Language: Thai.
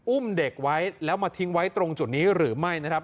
อุ้มเด็กไว้แล้วมาทิ้งไว้ตรงจุดนี้หรือไม่นะครับ